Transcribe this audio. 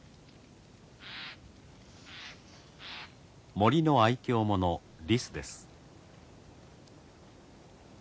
森の愛嬌者リスです。